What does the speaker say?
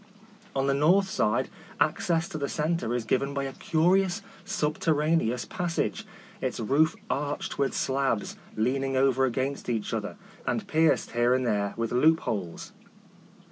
On the north side access to the centre is given by a curious subterraneous passage, its roof arched with slabs leaning over against each other, and pierced here and there with loop holes.